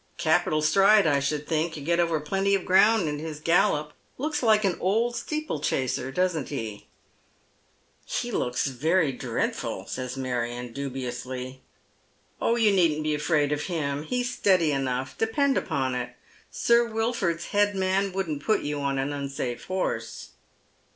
" Capital stride I should think, get over plenty of ground in his gallop. Looks like an old steeplechaser, doesn't he ?"" He looks very dreadful," says Marion, dubiously. " Oh, you needn't be afraid of him. He's steady enough, depend upon it. Sir Wilford's head man wouldn't put you on an unsafe horse."